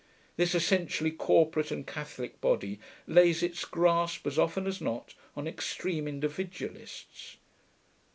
This essentially corporate and catholic body lays its grasp as often as not on extreme individualists.